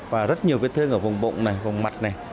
và rất nhiều vết thương ở vùng bụng này vùng mặt này